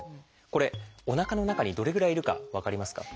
これおなかの中にどれぐらいいるか分かりますか？